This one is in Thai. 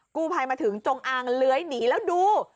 กู้ภัยมาถึงจงอางเลื้อยหนีแล้วดู